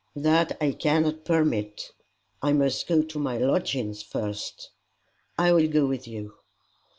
"That I cannot permit." "I must go to my lodgings first." "I will go with you."